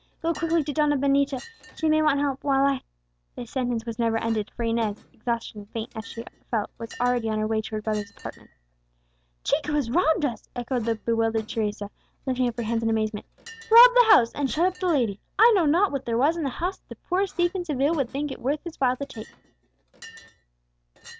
"Go quickly to Donna Benita, she may want help, while I " The sentence was never ended; for Inez, exhausted and faint as she felt, was already on her way to her brother's apartment. "Chico has robbed us!" echoed the bewildered Teresa, lifting up her hands in amazement. "Robbed the house, and shut up the lady! I know not what there was in the place that the poorest thief in Seville would think it worth his while to take!"